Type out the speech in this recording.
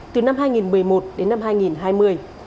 từ năm hai nghìn một mươi một đến năm hai nghìn hai mươi